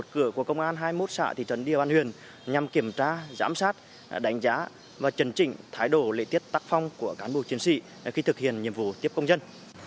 của công an hai mươi một xã thị trấn điều an huyền nhằm kiểm tra giám sát đánh giá và trần trịnh thái độ lệ tiết tắc phong của cán bộ chiến sĩ khi thực hiện nhiệm vụ tiếp công dân